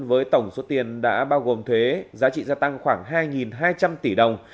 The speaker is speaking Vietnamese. với tổng số tiền đã bao gồm thuế giá trị gia tăng khoảng hai hai trăm linh tỷ đồng